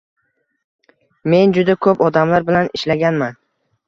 — Men juda koʻp odamlar bilan ishlaganman